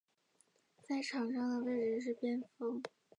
在场上的位置是边锋。